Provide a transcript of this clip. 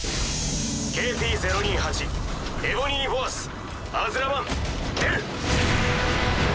ＫＰ０２８エボニー・ボアスアズラワン出る！